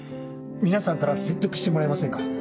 皆さんから説得してもらえませんか？